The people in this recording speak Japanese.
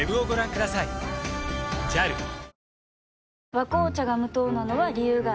「和紅茶」が無糖なのは、理由があるんよ。